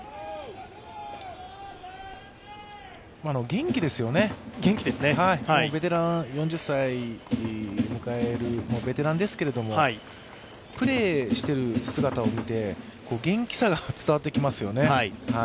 元気ですよね、４０歳を迎えるベテランですけれども、プレーしている姿を見て、元気さが伝わってきますよね。